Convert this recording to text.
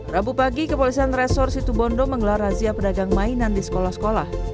rabu pagi kepolisian resor situbondo menggelar razia pedagang mainan di sekolah sekolah